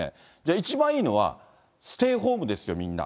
一番いいのはステイホームですよ、みんな。